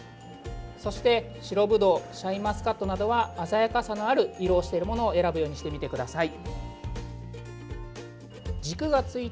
そして白ブドウシャインマスカットなどは鮮やかさのある色をしているものを選ぶようにしてみてください。